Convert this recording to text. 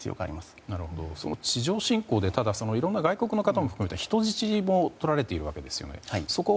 ただ、その地上侵攻でいろんな外国の方も含めて人質も取られているわけですよね。